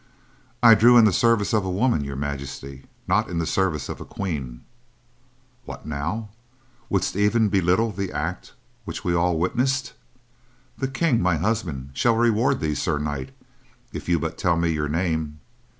"I drew in the service of a woman, Your Majesty, not in the service of a queen." "What now! Wouldst even belittle the act which we all witnessed? The King, my husband, shall reward thee, Sir Knight, if you but tell me your name."